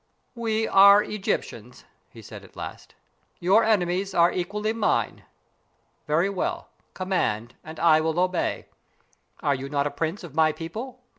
"We are Egyptians," he said, at last. "Your enemies are equally mine. Very well; command and I will obey. Are you not a prince of my people?